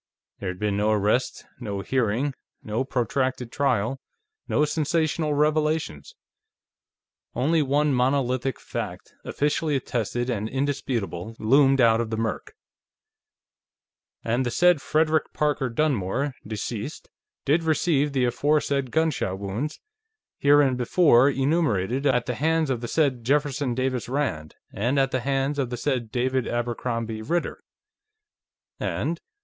There had been no arrest, no hearing, no protracted trial, no sensational revelations. Only one monolithic fact, officially attested and indisputable, loomed out of the murk: "... and the said Frederick Parker Dunmore, deceased, did receive the aforesaid gunshot wounds, hereinbefore enumerated, at the hands of the said Jefferson Davis Rand and at the hands of the said David Abercrombie Ritter ..." and